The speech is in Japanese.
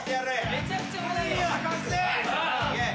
めちゃくちゃ上。